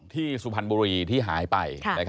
สุพรรณบุรีที่หายไป